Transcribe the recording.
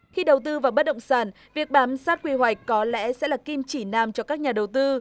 khi đầu tư vào bất động sản việc bám sát quy hoạch có lẽ sẽ là kim chỉ nam cho các nhà đầu tư